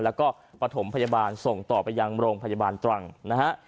แล้วก็ปฐมพยาบาลส่งต่อไปยังโรงพยาบาลตรังนะฮะ